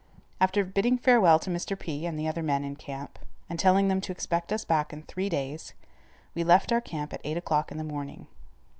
After bidding farewell to Mr. P. and the other men in camp, and telling them to expect us back in three days, we left our camp at eight o'clock in the morning.